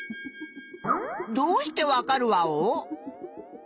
どうして分かるワオ？